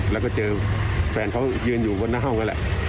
แล้วก็เจอแฟนเขายืนอยู่บนหน้าห้องนั่นแหละ